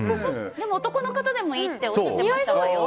男の方でもいいっておっしゃってましたわよ。